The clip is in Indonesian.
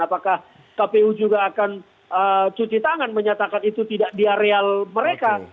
apakah kpu juga akan cuci tangan menyatakan itu tidak di areal mereka